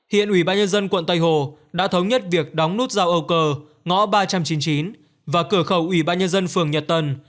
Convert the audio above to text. hiện ubnd quận tây hồ đã thống nhất việc đóng nút giao âu cờ ngõ ba trăm chín mươi chín và cửa khẩu ubnd phường nhật tân